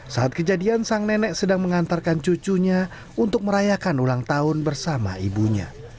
saat kejadian sang nenek sedang mengantarkan cucunya untuk merayakan ulang tahun bersama ibunya